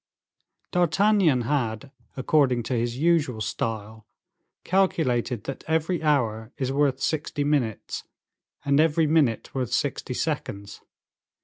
D'Artagnan had, according to his usual style, calculated that every hour is worth sixty minutes, and every minute worth sixty seconds.